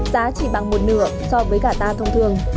giá chỉ bằng một nửa so với cả ta thông thường